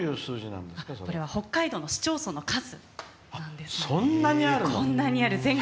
これは北海道の市町村の数なんです。